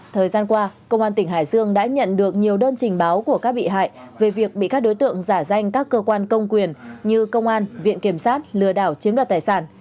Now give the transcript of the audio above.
thời gian qua công an tỉnh hải dương đã nhận được nhiều đơn trình báo của các bị hại về việc bị các đối tượng giả danh các cơ quan công quyền như công an viện kiểm sát lừa đảo chiếm đoạt tài sản